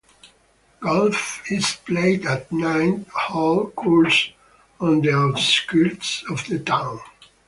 Golf is played at a nine-hole course on the outskirts of the town.